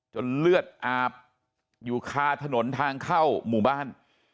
เลือดอาบอยู่คาถนนทางเข้าหมู่บ้าน